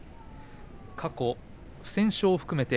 過去不戦勝を含めて